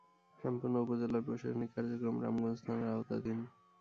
সম্পূর্ণ উপজেলার প্রশাসনিক কার্যক্রম রামগঞ্জ থানার আওতাধীন।